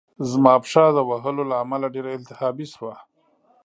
زما پښه د وهلو له امله ډېره التهابي شوه